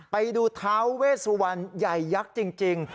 ไปดูเทาเวสวรรค์ใหญ่ยักษ์จริง